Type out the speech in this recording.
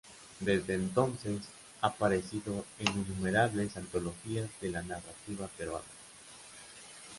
Desde entonces ha aparecido en innumerables antologías de la narrativa peruana.